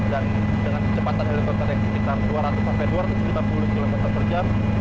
dan dengan kecepatan helikopter yang sekitar dua ratus dua ratus lima puluh km per jam